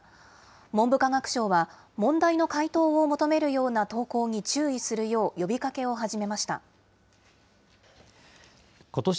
文部科学省は、問題の解答を求めるような投稿に注意するよう呼びかけを始めましことし